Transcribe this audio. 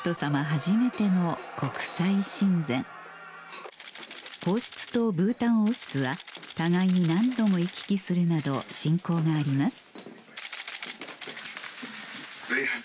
初めての国際親善皇室とブータン王室は互いに何度も行き来するなど親交があります